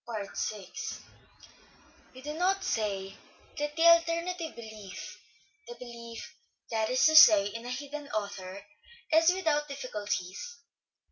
VI Anti We do not say that the alternative belief, the belief di'fficuhies*11 that is to say in a hidden author, is without difficulties, motives.